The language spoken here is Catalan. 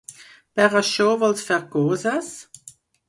Per això vols fer coses?